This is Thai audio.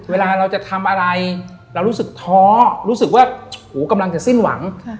เวลาเราจะทำอะไรเรารู้สึกท้อรู้สึกว่าหูกำลังจะสิ้นหวัง